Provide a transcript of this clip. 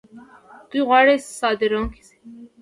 دوی غواړي صادرونکي شي.